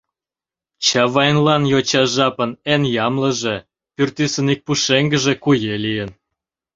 Чавайнлан йоча жапын эн ямлыже — пӱртӱсын ик пушеҥгыже — куэ лийын.